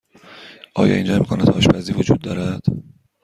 آیا اینجا امکانات آشپزی وجود دارد؟